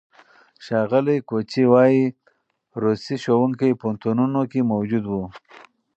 ښاغلي کوچي وايي، روسي ښوونکي پوهنتونونو کې موجود وو.